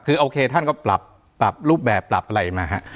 คือโอเคท่านก็ปรับรูปแบบปรับอะไรมาฮะ